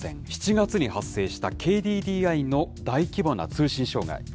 ７月に発生したＫＤＤＩの大規模な通信障害。